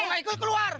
lo nggak ikut keluar